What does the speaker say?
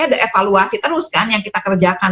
ada evaluasi terus kan yang kita kerjakan